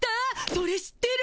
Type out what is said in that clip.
それ知ってる！